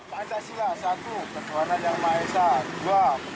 pancasila satu perjuangan yang maesan dua manusia yang adil dan beragam